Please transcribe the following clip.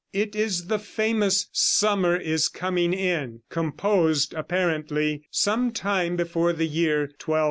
It is the famous "Summer is Coming In," composed, apparently, some time before the year 1240.